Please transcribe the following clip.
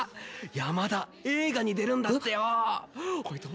山田映画に出るんだってよ！